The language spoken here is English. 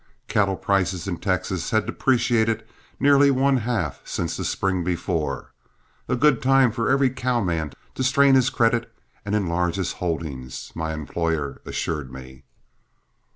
Cattle prices in Texas had depreciated nearly one half since the spring before "a good time for every cowman to strain his credit and enlarge his holdings," my employer assured me.